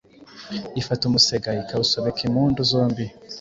Ifata umusega ikawusobeka impindu zombie,